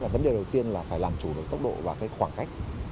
vấn đề đầu tiên là phải làm chủ được tốc độ và khoảng cách